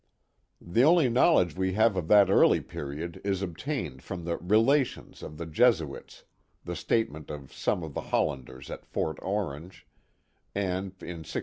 The only knowledge we have of that early period is obtained from the Relations of the Jesuits, the statement of some of the Hollanders at Fort Orange, and, in 1666.